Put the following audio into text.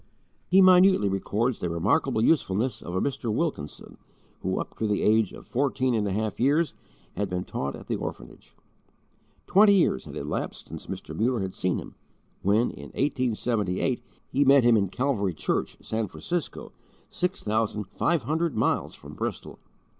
He minutely records the remarkable usefulness of a Mr. Wilkinson, who, up to the age of fourteen and a half years, had been taught at the orphanage. Twenty years had elapsed since Mr. Muller had seen him, when, in 1878, he met him in Calvary Church, San Francisco, six thousand five hundred miles from Bristol.